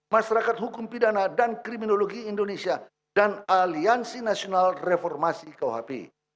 masyarakat hukum pidana dan kriminologi indonesia dan aliansi nasional reformasi kuhp